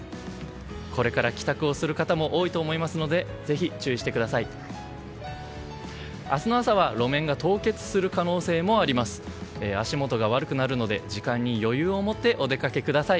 これから帰宅をする方も多いと思いますのでぜひ、注意してください。